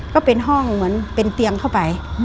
ก็เป็นห้องเหมือนเป็นเตียงเข้าไป